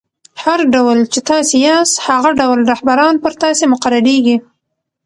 هر ډول، چي تاسي یاست؛ هغه ډول رهبران پر تاسي مقررېږي.